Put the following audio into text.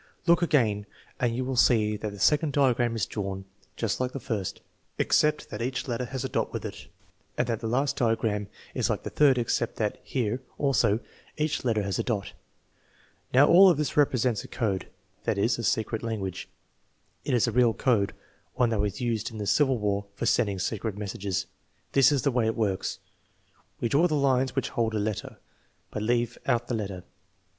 Look again and you will see that the second diagram is drawn just like the first, except that each letter has a dot with it, and that the last diagram is like the third except that here, also, each letter has a dot. Nvw, all of this represents a code; that is, a secret language. It is a real code, one that was used in the Civil War for sending secret messages. This is the way it works: we draw the lines which hold a letter, but leave out the letter.